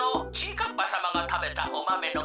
かっぱさまがたべたおマメのかずは？」。